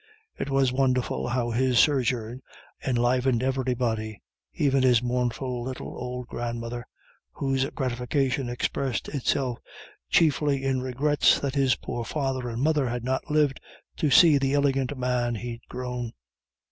It was wonderful how his sojourn enlivened everybody, even his mournful little old grandmother, whose gratification expressed itself chiefly in regrets that his poor father and mother had not lived to see the illigant man he'd grown.